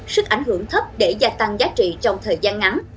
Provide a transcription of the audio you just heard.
sức ảnh hưởng thấp để gia tăng giá trị trong thời gian ngắn